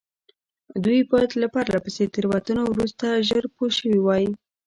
دوی باید له پرله پسې تېروتنو وروسته ژر پوه شوي وای.